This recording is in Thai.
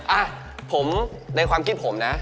อ่ะผมในความคิดผมนะ